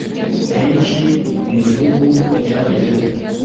Henshi mu bihugu ryagezemo